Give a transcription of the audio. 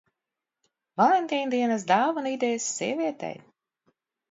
Valentīna dienas dāvanu idejas sievietei.